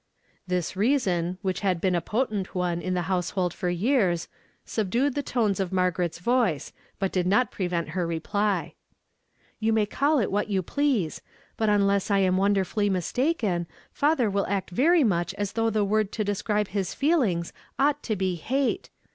This reason, which had been a potent one in the household for years, subdued tlie tones of Marga ret's voice, but did not prevent her reply. " You may call it what you please ; but unless I am wonderfully mistaken, father will act very much as though the word to describe his feelings ought to be ' hate.'